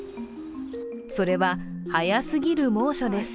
それは早すぎる猛暑です。